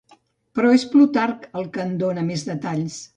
Però és Plutarc el que en dóna més detalls.